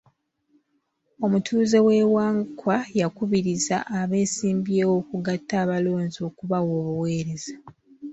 Omutuuze wa Wangkwa yakubiriza abeesimbyewo okugatta abalonzi okubawa obuweereza.